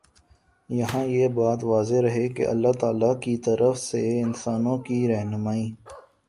یہاں یہ بات واضح رہے کہ اللہ تعالیٰ کی طرف سے انسانوں کی رہنمائی